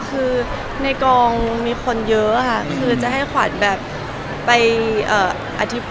คือในกองมีคนเยอะค่ะคือจะให้ขวัญแบบไปอธิบาย